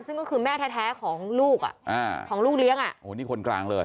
ซึ่งก็คือแม่แท้ของลูกอ่ะอ่าของลูกเลี้ยงอ่ะโอ้นี่คนกลางเลย